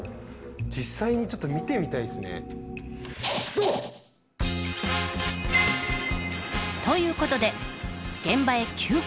実際に見てみたいですね。ということで現場へ急行！